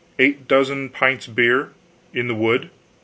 200 8 dozen pints beer, in the wood